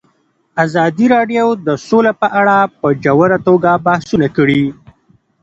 ازادي راډیو د سوله په اړه په ژوره توګه بحثونه کړي.